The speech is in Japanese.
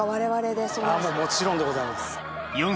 もちろんでございます。